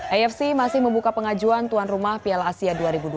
afc masih membuka pengajuan tuan rumah piala asia dua ribu dua puluh